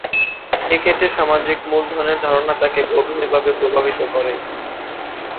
এক্ষেত্রে সামাজিক মূলধনের ধারণা তাঁকে গভীরভাবে প্রভাবিত করে।